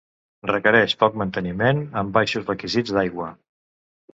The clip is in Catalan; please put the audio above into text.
Requereix poc manteniment, amb baixos requisits d'aigua.